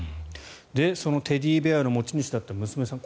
そのテディベアの持ち主だった娘さん